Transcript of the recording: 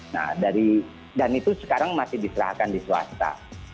nah dari dan itu sekarang masih diserahkan di swasta